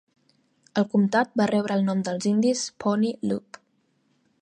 El comtat va rebre el nom dels indis Pawnee Loup.